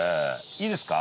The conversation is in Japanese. いいですか？